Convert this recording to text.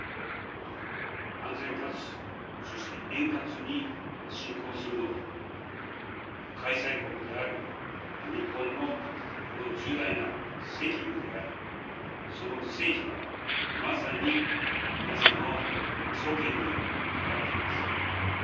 安全かつそして円滑に進行するのは、開催国である日本のこの重大な責務であり、その成否は、まさに皆さんの双肩にかかっています。